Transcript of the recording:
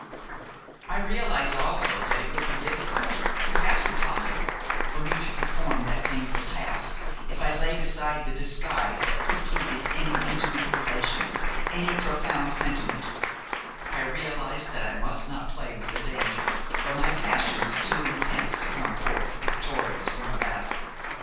"I realized also that it would be difficult, perhaps impossible, for me to perform that painful task, if I laid aside the disguise that precluded any intimate relations, any profound sentiment; I realized that I must not play with the danger, for my passion was too intense to come forth victorious from a battle.